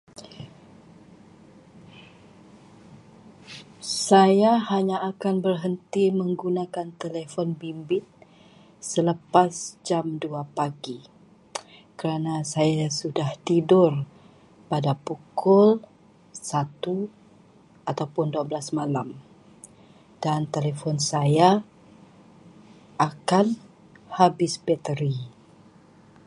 Saya hanya akan berhenti menggunakan telefon bimbit selepas jam dua pagi kerana saya sudah tidur pada pukul satu ataupun dua belas malam dan telefon saya akan habis bateri.